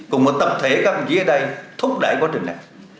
cùng với tập thể các dự án này thúc đẩy quá trình này